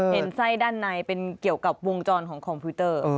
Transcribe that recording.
เห็นไส้ด้านในเป็นเกี่ยวกับวงจรของคอมพิวเตอร์